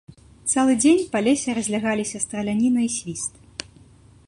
Цэлы дзень па лесе разлягаліся страляніна і свіст.